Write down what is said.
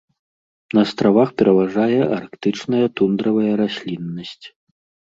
На астравах пераважае арктычная тундравая расліннасць.